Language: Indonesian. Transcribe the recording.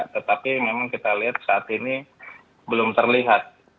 tetapi memang kita lihat saat ini belum terlihat